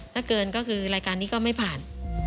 ถ้าเกินก็คือรายการนี้ก็ไม่ผ่าน